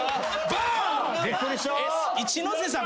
一ノ瀬さん